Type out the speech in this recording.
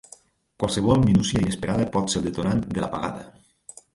Qualsevol minúcia inesperada pot ser el detonant de l'apagada.